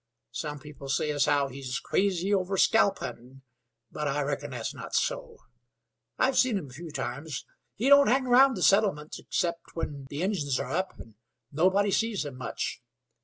Some people say as how he's crazy over scalp huntin'; but I reckon that's not so. I've seen him a few times. He don't hang round the settlement 'cept when the Injuns are up, an' nobody sees him much.